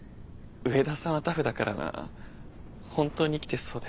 上田さんはタフだからな本当に生きてそうだよ。